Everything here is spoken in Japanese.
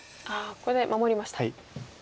ここで守りました。